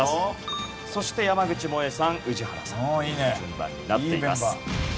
そして山口もえさん宇治原さんという順番になっています。